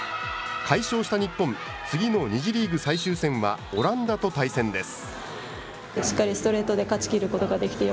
快勝した日本、次の２次リーグ最終戦はオランダと対戦です。